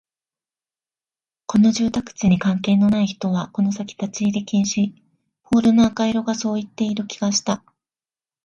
この住宅地に関係のない人はこの先立ち入り禁止、ポールの赤色がそう言っている気がした